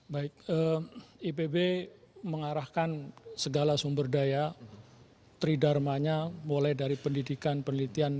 baik ipb mengarahkan segala sumber daya tridharmanya mulai dari pendidikan penelitian